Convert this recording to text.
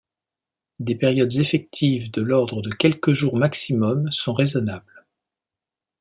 Des périodes effectives de l’ordre de quelques jours maximums sont raisonnables.